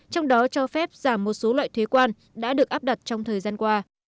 trong đó cho phép giảm một số loại thuế quan đã được áp đặt trong thời gian qua